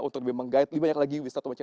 untuk lebih menggait lebih banyak lagi wisatawan